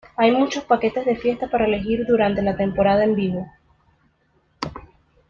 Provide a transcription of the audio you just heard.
Hay muchos paquetes de fiesta para elegir durante la temporada en vivo.